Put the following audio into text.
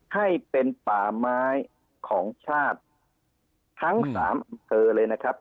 ให้เป็นป่าไม้ของชาติทั้งสามอำเภอเลยนะครับ